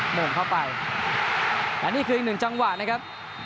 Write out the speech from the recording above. โหม่งเข้าไปอันนี้คืออีก๑จังหวะนะครับ